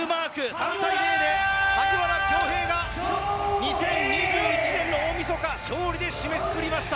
３対０で萩原京平が２０２１年の大みそか勝利で締めくくりました。